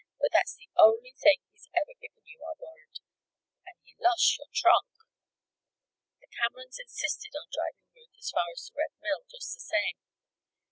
But that's the only thing he's ever given you, I warrant and he lost your trunk!" The Camerons insisted upon driving Ruth as far as the Red Mill, just the same.